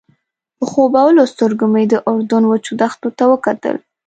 په خوبولو سترګو مې د اردن وچو دښتو ته وکتل.